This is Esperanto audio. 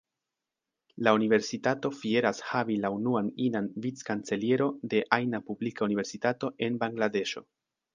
La universitato fieras havi la unuan inan Vic-kanceliero de ajna publika universitato en Bangladeŝo.